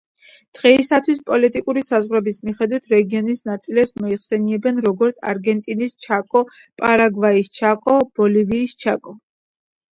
დღეისათვის, პოლიტიკური საზღვრების მიხედვით, რეგიონის ნაწილებს მოიხსენიებენ როგორც არგენტინის ჩაკო, პარაგვაის ჩაკო, ბოლივიის ჩაკო.